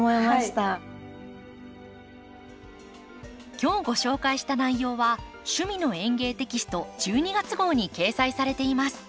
今日ご紹介した内容は「趣味の園芸」テキスト１２月号に掲載されています。